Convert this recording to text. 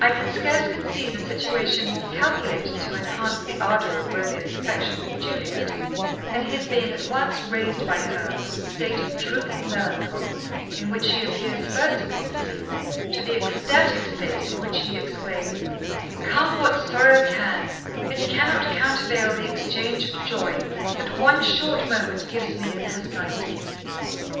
I can scarce conceive a situation more calculated to enhance the ardour of Romeo's affection for Juliet than his being at once raised by her from the state of drooping melancholy in which he appears first upon the scene to the ecstatic state in which he exclaims come what sorrow can, It cannot countervail the exchange of joy That one short moment gives me in her sight.'